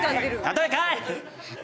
例えかい！